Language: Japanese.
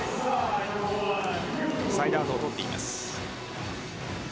サイドアウトを取っています。